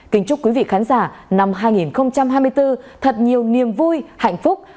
kính chúc quý vị khán giả năm hai nghìn hai mươi bốn thật nhiều niềm vui hạnh phúc